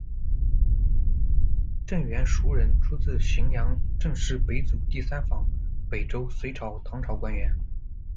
郑元璹人，出自荥阳郑氏北祖第三房，北周、隋朝、唐朝官员。